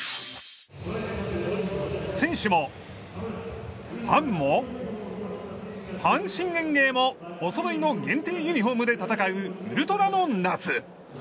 選手もファンも阪神園芸もおそろいの限定ユニホームで戦うウル虎の夏。